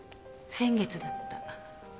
先月だった。